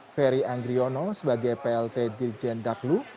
ferry anggriono sebagai plt dirjen daklu